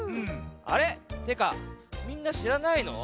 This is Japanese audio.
てかみんなしらないの？